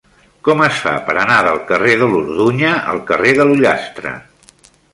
Com es fa per anar del carrer de l'Orduña al carrer de l'Ullastre?